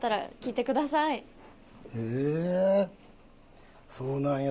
へえそうなんや。